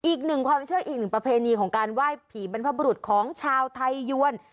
อีกหนึ่งความเชื่ออีกหนึ่งประเพณีของการไหว้ผีบรรพบรุษของชาวไทยยวน